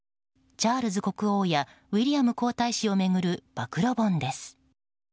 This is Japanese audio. チャールズ国王やウィリアム皇太子を巡る暴露本です。